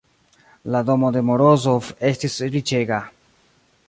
La domo de Morozov estis riĉega.